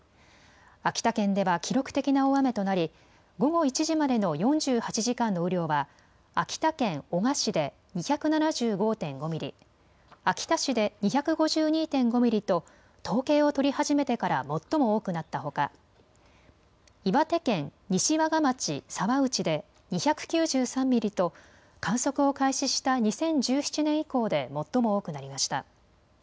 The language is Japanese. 秋田県では記録的な大雨となり午後１時までの４８時間の雨量は秋田県男鹿市で２７５．５ミリ、秋田市で２５２．５ミリと統計を取り始めてから最も多くなったほか岩手県西和賀町沢内で２９３ミリと観測を開始した２０１７年以降で最も多くなりました。